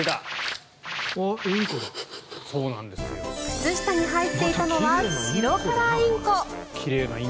靴下に入っていたのはシロハラインコ。